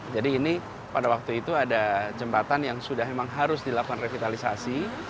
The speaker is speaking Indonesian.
jadi ini pada waktu itu ada jembatan yang sudah memang harus dilakukan revitalisasi